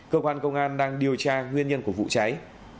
cơ quan công an đang điều tra nguyên nhân của vụ cháy